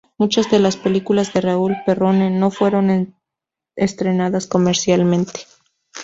Muchas de las películas de Raúl Perrone no fueron estrenadas comercialmente.